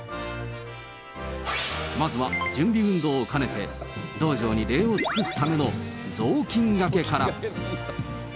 まずは準備運動を兼ねて、道場に礼を尽くすための雑巾がけから。